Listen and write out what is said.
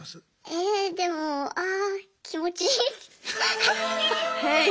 えでもあ気持ちいい。